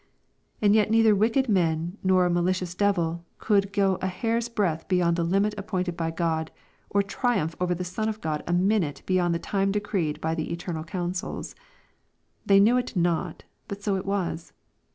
And yet neither wicked men nor a ma licious devil could go a hair's breadth beyond the limit appointed by God, or triumph over the Son of Q od a minute beyond the time decreed by the eternal counsels. They knew it not, but so it was.